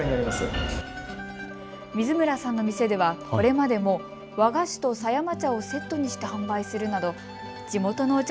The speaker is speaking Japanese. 水村さんの店では、これまでも和菓子と狭山茶をセットにして販売するなど地元のお茶